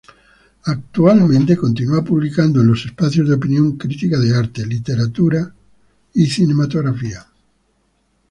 Actualmente continúa publicando en los espacios de opinión crítica de arte, literaria y cinematográfica.